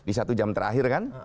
di satu jam terakhir kan